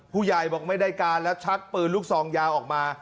ผู้ใหญ่บอกไม่ได้การแล้วชักปืนลูกซองยาวออกมา